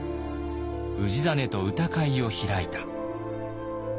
「氏真と歌会を開いた」。